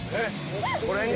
これに？